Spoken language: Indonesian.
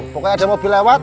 pokoknya ada mobil lewat